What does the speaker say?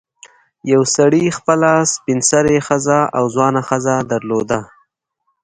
یو سړي خپله سپین سرې ښځه او ځوانه ښځه درلوده.